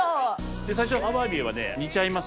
最初アワビは煮ちゃいます。